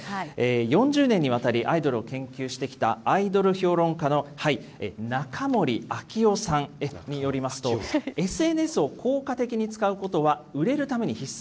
４０年にわたり、アイドルを研究してきたアイドル評論家の中森明夫さんによりますと、ＳＮＳを効果的に使うことは、売れるために必須。